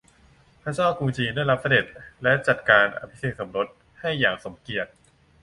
พระเจ้ากรุงจีนได้รับเสด็จและจัดการอภิเษกสมรสให้อย่างสมพระเกียรติ